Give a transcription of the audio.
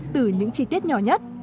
từ những chi tiết nhỏ nhất